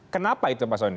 kenapa itu pak soni